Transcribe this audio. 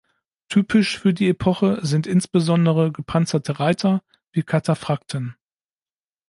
Typisch für die Epoche sind insbesondere gepanzerte Reiter wie Kataphrakten.